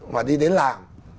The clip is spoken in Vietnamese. mà đi đến làm